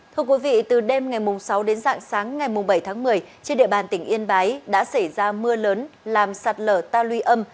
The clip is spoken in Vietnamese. thưa quý vị từ đêm ngày sáu đến dạng sáng ngày bảy tháng một mươi trên địa bàn tỉnh yên bái đã xảy ra mưa lớn làm sạt lở ta luy âm